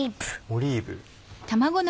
オリーブ。